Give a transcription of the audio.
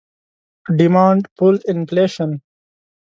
Demand pull Inflation